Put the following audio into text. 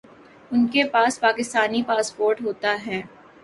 انکے پاس پاکستانی پاسپورٹ ہوتا ہے